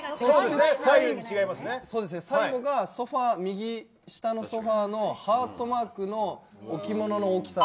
最後がソファー右下のソファーのハートマークの置物の大きさ。